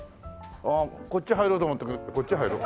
ああこっち入ろうと思ったけどこっち入ろう。